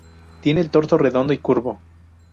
Tiene el torso redondo y curvo.